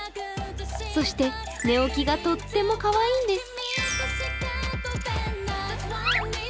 そして寝起きが、とってもかわいいんです。